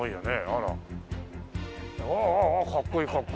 あら。ああかっこいいかっこいい！